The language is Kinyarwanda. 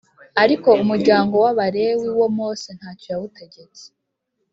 Ariko umuryango w Abalewi wo Mose ntacyo yawutegetse